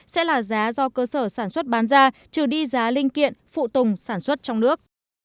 sẽ là giá do cơ sở sản xuất bán ra trừ đi giá linh kiện phụ tùng sản xuất trong nước